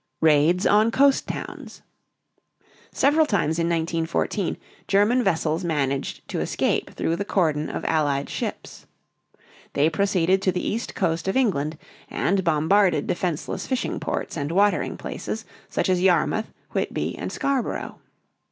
RAIDS ON COAST TOWNS. Several times in 1914 German vessels managed to escape through the cordon of Allied ships. They proceeded to the east coast of England and bombarded defenseless fishing ports and watering places such as Yarmouth, Whitby, and Scarborough.